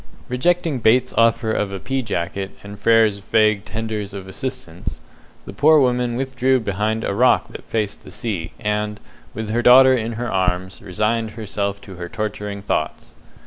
Rejecting Bates's offer of a pea jacket and Frere's vague tenders of assistance, the poor woman withdrew behind a rock that faced the sea, and, with her daughter in her arms, resigned herself to her torturing thoughts.